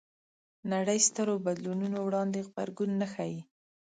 نړۍ سترو بدلونونو وړاندې غبرګون نه ښيي